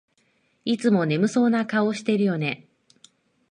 いつも眠そうな顔してるよね